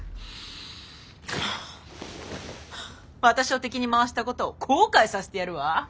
私を敵に回したことを後悔させてやるわ。